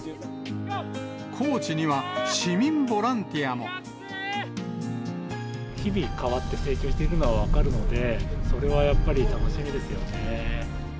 コーチには、市民ボランティ日々、変わって成長しているのが分かるので、それはやっぱり楽しみですよね。